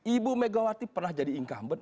ibu megawati pernah jadi incumbent